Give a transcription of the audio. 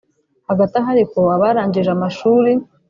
Hagati aho ariko abarangije amashuri